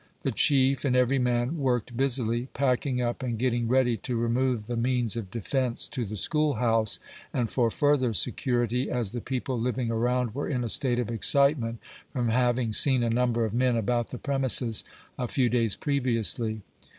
The chief and every man worked busily, packing up, and getting ready to remove the means of defence to the school house, and for further security, as the people living around were in a state of excitement, from having seeiu a number of men MATTERS VbECIPCTATED BY WoiSCBETION. 27 about the premises a few days previously.